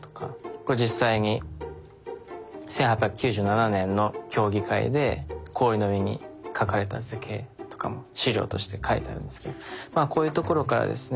これ実際に１８９７年の競技会で氷の上に描かれた図形とかも資料として書いてあるんですけどこういうところからですね